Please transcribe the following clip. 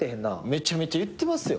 めちゃめちゃ言ってますよ。